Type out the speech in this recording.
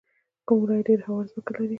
کوم ولایت ډیره هواره ځمکه لري؟